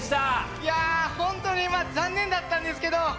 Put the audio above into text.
いやホントに残念だったんですけど。